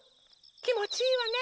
きもちいいわね！